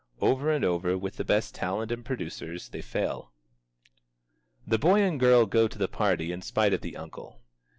Over and over, with the best talent and producers, they fail. The boy and girl go to the party in spite of the uncle.